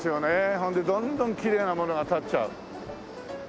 それでどんどんきれいなものが建っちゃう。